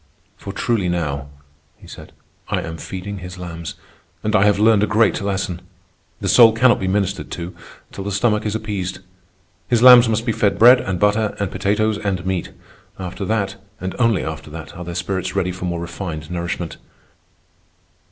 "For truly now," he said, "I am feeding his lambs. And I have learned a great lesson. The soul cannot be ministered to till the stomach is appeased. His lambs must be fed bread and butter and potatoes and meat; after that, and only after that, are their spirits ready for more refined nourishment."